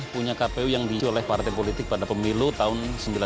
punya kpu yang diisi oleh partai politik pada pemilu tahun seribu sembilan ratus sembilan puluh